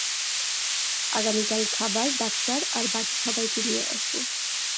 আগামীকাল খাবার, ডাক্তার আর বাকি সবাইকে নিয়ে আসবো।